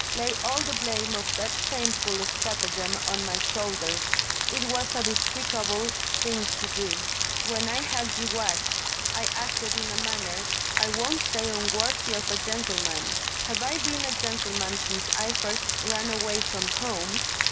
"Lay all the blame of that shameful stratagem on my shoulders. It was a despicable thing to do. When I had you watched, I acted in a manner I won't say unworthy of a gentleman; have I been a gentleman since I first ran away from home?